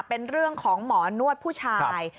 เป็นเรื่องของหมอนวดผู้ชาย